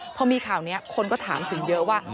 พอมีข่าวนี้คนก็ถามถึงเยอะว่า